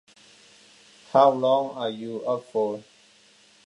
How long are you up for?